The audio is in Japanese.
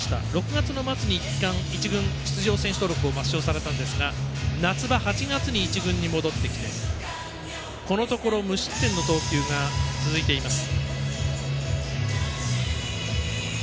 ６月の末に、いったん１軍出場選手登録を抹消されたんですが夏場、８月に１軍に戻ってきてこのところ無失点の投球が続いています。